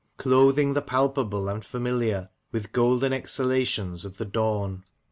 35 Cloathing the palpable and familiar With golden exhalations of the dawn.